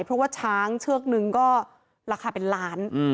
เพราะว่าช้างเชือกนึงก็ราคาเป็นล้าน